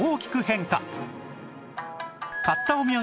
買ったお土産